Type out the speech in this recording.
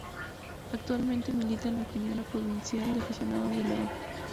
Actualmente milita en la Primera Provincial de Aficionados de León.